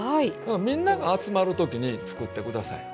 みんなが集まる時に作って下さい。